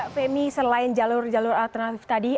femi selain jalur jalur alternatif tadi